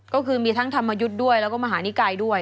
ก็คือมีทั้งธรรมยุทธ์ด้วยแล้วก็มหานิกายด้วย